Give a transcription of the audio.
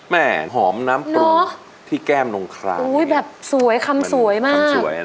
แหมหอมน้ำปรุงที่แก้มนงคลางแบบสวยคำสวยมาก